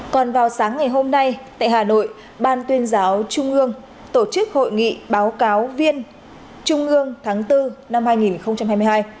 còn vào sáng ngày hôm nay tại hà nội ban tuyên giáo trung ương tổ chức hội nghị báo cáo viên trung ương tháng bốn năm hai nghìn hai mươi hai